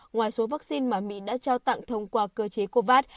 ngoài số vaccine mà mỹ đã trao tặng thông qua cơ chế covax